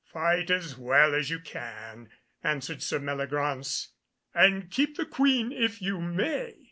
"Fight as well as you can," answered Sir Meliagraunce, "and keep the Queen if you may."